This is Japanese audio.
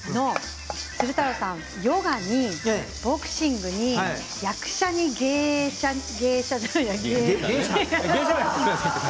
鶴太郎さんは、ヨガにボクシングに役者に芸者や芸人。